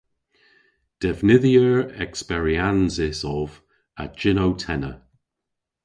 Devnydhyer eksperyansys ov a jynnow-tenna.